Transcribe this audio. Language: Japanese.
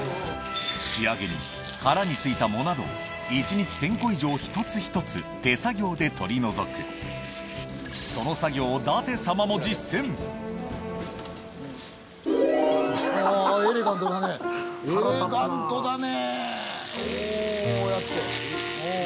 仕上げに殻についた藻などを１日１０００個以上１つ１つ手作業で取り除くその作業をエレガントだね腹立つなエレガントだね！